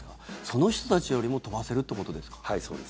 その人たちよりも飛ばせるってことですか？